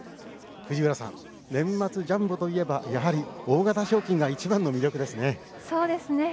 藤浦さん、年末ジャンボといえばやはり大型賞金がそうですね。